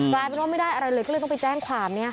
กลายเป็นว่าไม่ได้อะไรเลยก็เลยต้องไปแจ้งความ